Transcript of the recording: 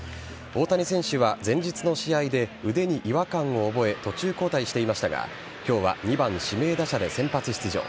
大谷選手は前日の試合で腕に違和感を覚え途中交代していましたが今日は２番・指名打者で先発出場。